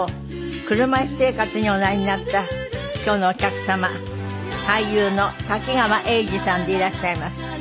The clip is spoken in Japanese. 車椅子生活におなりになった今日のお客様俳優の滝川英治さんでいらっしゃいます。